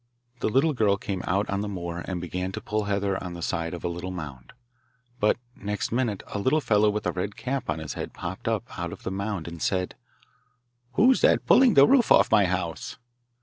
The little girl came out on the moor and began to pull heather on the side of a little mound, but next minute a little fellow with a red cap on his head popped up out of the mound and said: 'Who's that pulling the roof off my house?